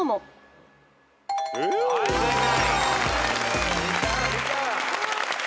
はい正解。